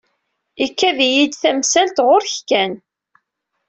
Ikad-iyi-d tamsalt ɣur-k kan.